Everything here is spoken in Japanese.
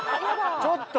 ちょっと！